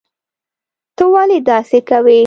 ته ولي داسي کوي